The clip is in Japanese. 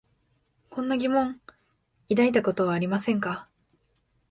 こんな疑問を抱いたことはありませんか？